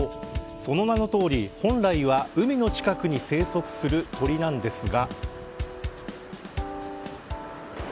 その名のとおり、本来は海の近くに生息する鳥なんですが。